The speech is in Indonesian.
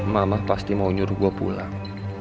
mamah pasti mau nyuruh gue pulang